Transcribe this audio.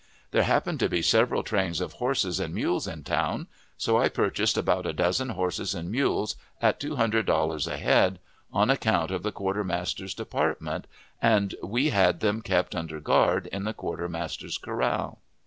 There happened to be several trains of horses and mules in town, so I purchased about a dozen horses and mules at two hundred dollars a head, on account of the Quartermaster's Department, and we had them kept under guard in the quartermaster's corral.